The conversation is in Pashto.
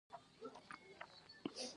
زه له وخت څخه ښه استفاده کوم.